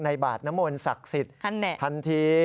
บาทน้ำมนต์ศักดิ์สิทธิ์ทันที